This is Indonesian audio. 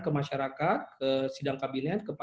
ke masyarakat ke sidang kabinet